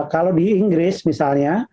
kalau di inggris misalnya